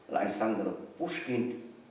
là anh sandro puskin